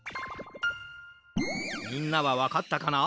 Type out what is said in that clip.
みんなはわかったかな？